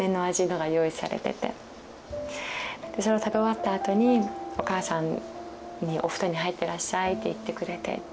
それを食べ終わったあとにお母さんに「お布団に入ってらっしゃい」って言ってくれて。